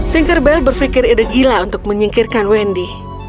tinkerbell berfikir ide gila untuk menyingkirkan wendy